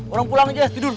orang pulang aja tidur